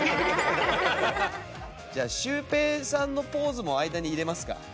じゃあシュウペイさんのポーズも間に入れますか？